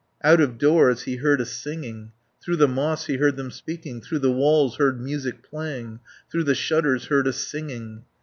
Out of doors he heard a singing, Through the moss he heard them speaking, 390 Through the walls heard music playing, Through the shutters heard a singing.